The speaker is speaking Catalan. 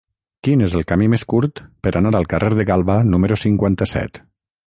Quin és el camí més curt per anar al carrer de Galba número cinquanta-set?